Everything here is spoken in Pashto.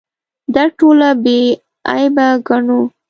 درک ټوله بې عیبه ګڼو.